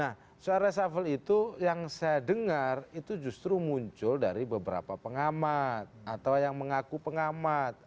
nah soal reshuffle itu yang saya dengar itu justru muncul dari beberapa pengamat atau yang mengaku pengamat